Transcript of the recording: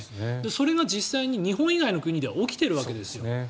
それが実際に日本以外の国では起きているわけですよ。